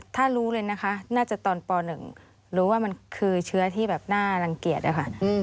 ถ้ารู้เลยนะคะน่าจะตอนป๑รู้ว่ามันคือเชื้อที่แบบน่ารังเกียจอะค่ะ